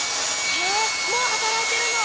へぇもう働いてるの。